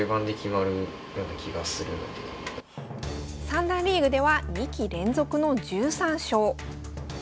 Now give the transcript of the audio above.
三段リーグでは２期連続の１３勝。